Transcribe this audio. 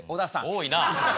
多いな！